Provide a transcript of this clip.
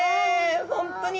本当に。